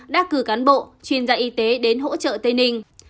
đã cử cán bộ chuyên gia y tế đến hỗ trợ tây ninh